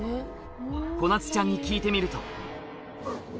こなつちゃんに聞いてみると